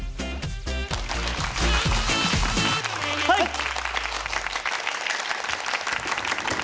はい！